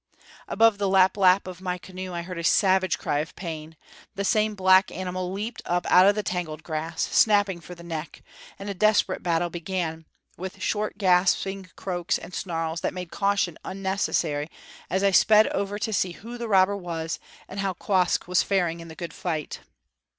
Above the lap lap of my canoe I heard a savage cry of pain; the same black animal leaped up out of the tangled grass, snapping for the neck; and a desperate battle began, with short gasping croaks and snarls that made caution unnecessary as I sped over to see who the robber was, and how Quoskh was faring in the good fight.